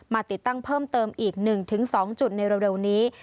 ติดตั้งเพิ่มเติมอีก๑๒จุดในเร็วนี้